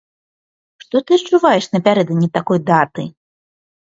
Што ты адчуваеш напярэдадні такой даты?